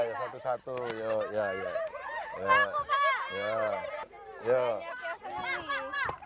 iya satu satu yuk